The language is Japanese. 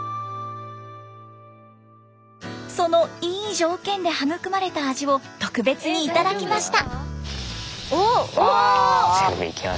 そのいい条件で育まれた味を特別に頂きました。